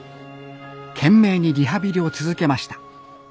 懸命にリハビリを続けました。